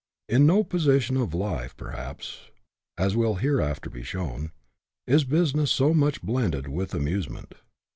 In no position of life, perhaps (as will here after be shown), is business so much blended with amusement.